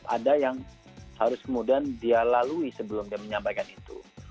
ada yang harus kemudian dia lalui sebelum dia menyampaikan itu